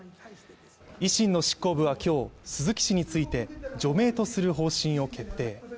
維新の執行部はきょう鈴木氏について除名とする方針を決定